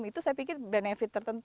itu saya pikir benefit tertentu